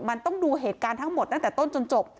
มันต้องดูเหตุการณ์ทั้งหมดตั้งแต่ต้นจนจบ